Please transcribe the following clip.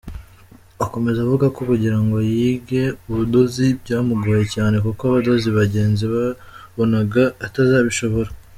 Akomeza avuga ko kugira ngo yige ubudozi byamugoye cyane kuko abadozi bagenzi babonaga atazabishobora.